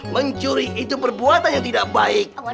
mencuri itu perbuatan yang tidak baik